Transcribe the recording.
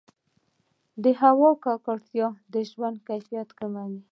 د هوا ککړتیا د ژوند کیفیت کموي.